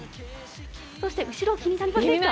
そして、後ろ気になりませんか？